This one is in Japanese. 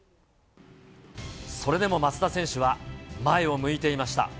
それでも松田選手は前を向いていました。